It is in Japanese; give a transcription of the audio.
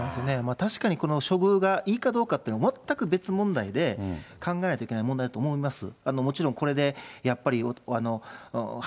確かにこの処遇がいいかどうかっていうのは、全く別問題で考えないといけない問題だと思います。